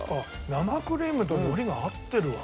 生クリームと海苔が合ってるわ。